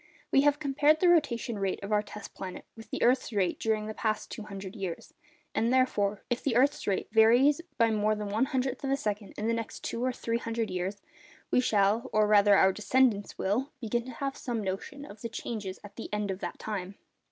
We have compared the rotation rate of our test planet with the earth's rate during the past 200 years; and therefore, if the earth's rate vary by more than one hundredth of a second in the next two or three hundred years, we shall—or rather our descendants will—begin to have some notion of the change at the end of that time.